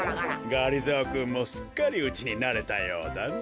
がりぞーくんもすっかりうちになれたようだね。